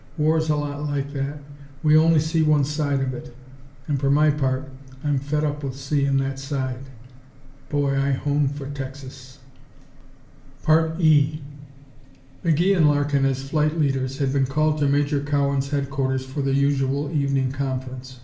War's a lot like that. We only see one side of it, and for my part, I'm fed up with seein' that side. Boy, I hone for Texas." 5 McGee and Larkin, as flight leaders, had been called to Major Cowan's headquarters for the usual evening conference.